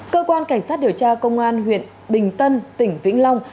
cơ quan cảnh sát điều tra công an huyện bình tân tỉnh vĩnh long